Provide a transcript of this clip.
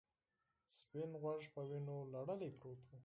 سپین غوږ په وینو لړلی پروت و.